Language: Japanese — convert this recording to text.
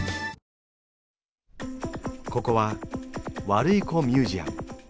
ここはワルイコミュージアム。